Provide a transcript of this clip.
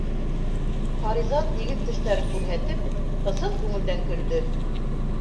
Фариза, тигеҙ тештәрен күрһәтеп, ысын күңелдән көлдө: